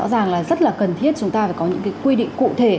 rất là cần thiết chúng ta phải có những quy định cụ thể